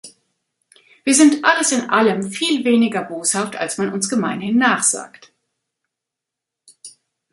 Wir sind alles in allem viel weniger boshaft als man uns gemeinhin nachsagt.